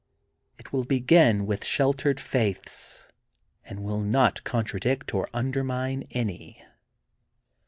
It will begin with sheltered faiths and will not contradict or undermine any.